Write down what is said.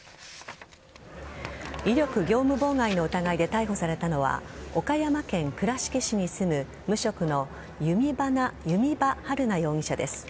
威力業務妨害の疑いで逮捕されたのは岡山県倉敷市に住む無職の弓場晴菜容疑者です。